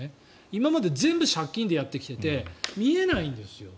今まで全部借金でやってきていて見えないんですよ。